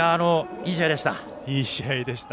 いい試合でした。